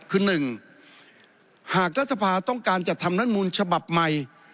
คือ๑หากรัฐสภาต้องการจัดทำรัฐมูลฉบับใหม่